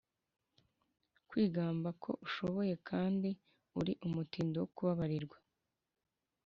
kwigamba ko ushoboye kandi uri umutindi wso kubabarirwa